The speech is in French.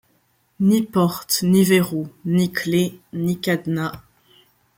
Ni portes, ni verrous, ni clefs, ni cadenas ;